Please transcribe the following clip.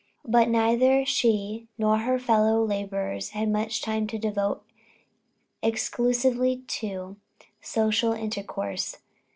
But neither she nor her fellow laborers had much time to devote exclusively to social intercourse.